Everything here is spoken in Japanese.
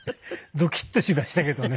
ドキッとしましたけどね。